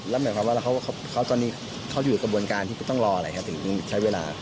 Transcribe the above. แล้วหมายความว่าตอนนี้เขาอยู่กระบวนการที่คุณต้องรออะไรครับถึงใช้เวลา